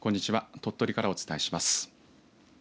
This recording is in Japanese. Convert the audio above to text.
鳥取からお伝えします。